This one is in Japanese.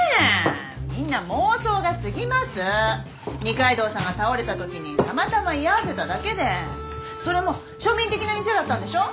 二階堂さんが倒れた時にたまたま居合わせただけでそれも庶民的な店だったんでしょ？